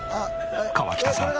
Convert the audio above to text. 河北さん